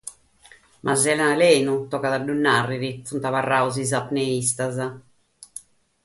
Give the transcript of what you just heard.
Ma sena alenu, tocat a ddu narrere, sunt abarrados sos apneistas.